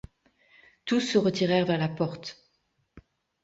Tous se retirèrent vers la porte.